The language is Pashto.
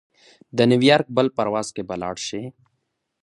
د نیویارک بل پرواز کې به لاړشې.